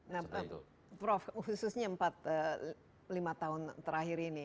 nah prof khususnya lima tahun terakhir ini